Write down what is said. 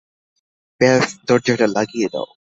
ব্যস দরজাটা লাগিয়ে দাও।